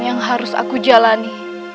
yang harus aku jalani